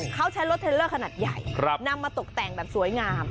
เขาใช้รถเทลเลอร์ขนาดใหญ่นำมาตกแต่งแบบสวยงาม